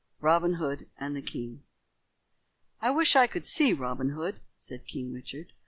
ROBIN HOOD AND THE KING "I wish I could see Robin Hood," said King Richard.